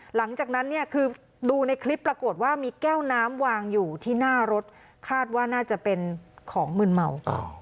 หลังจากนั้นเนี่ยคือดูในคลิปปรากฏว่ามีแก้วน้ำวางอยู่ที่หน้ารถคาดว่าน่าจะเป็นของมืนเมา